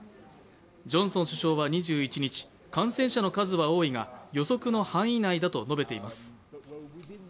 ジョンソン首相は２１日、感染者の数は多いが予測の範囲内だと述べています。